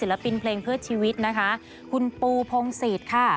และปริ้นเพลงเพื่อชีวิตคุณปูพงศีรค่ะ